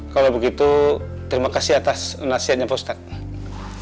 kalau begitu terima kasih atas nasiannya pak ustadz